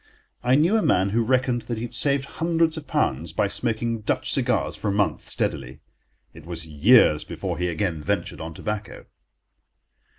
I knew a man who reckoned that he had saved hundreds of pounds by smoking Dutch cigars for a month steadily. It was years before he again ventured on tobacco.